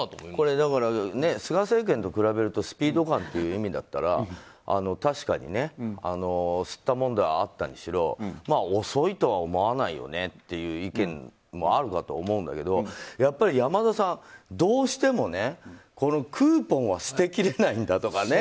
だから、菅政権と比べるとスピード感という意味だったら確かにすったもんだあったにしろ遅いとは思わないよねという意見もあると思うんだけどやっぱり、山田さんどうしてもね、クーポンは捨てきれないんだとかね。